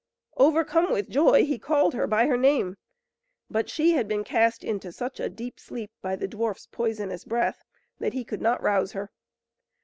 Overcome with joy, he called her by her name; but she had been cast into such a deep sleep by the dwarf's poisonous breath, that he could not rouse her.